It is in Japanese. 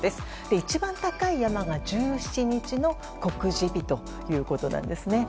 一番高い山が１７日の告示日ということなんですね。